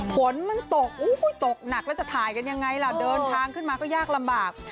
ฝนมันตกตกหนักแล้วจะถ่ายกันยังไงล่ะเดินทางขึ้นมาก็ยากลำบาก